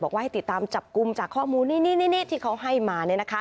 ให้ติดตามจับกลุ่มจากข้อมูลนี่ที่เขาให้มา